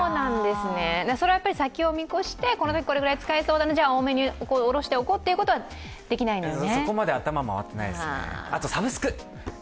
それはやっぱり先を見越して、このぐらい使いそうだなじゃあ多めにおろしておこうということはできないんですね。